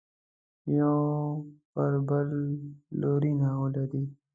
یو پر بل لورینه ولري.